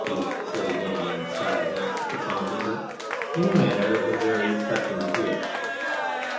" he said again, and sighed, not profoundly, but in a manner that was very touching to hear.